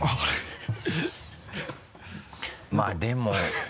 まぁでも。